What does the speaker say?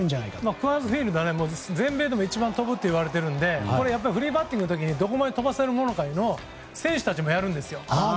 クアーズ・フィールドは全米でも一番飛ぶといわれているのでこれはフリーバッティングの時にどこまで飛ばせるか選手たちもやるんですよ。